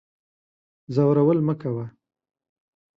ځورول مکوه